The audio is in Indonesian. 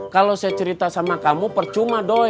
kalau saya cerita sama kamu percuma doa